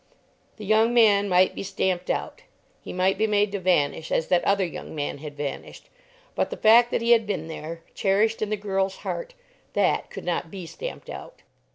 The young man might be stamped out. He might be made to vanish as that other young man had vanished. But the fact that he had been there, cherished in the girl's heart, that could not be stamped out.